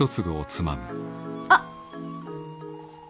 あっ。